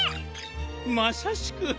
まさしく。